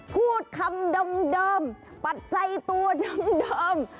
พูดคำเดิมปัจจัยตัวเดิม